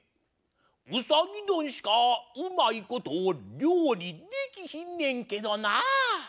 うさぎどんしかうまいことりょうりできひんねんけどなぁ！